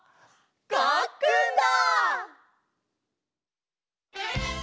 かっくんだ！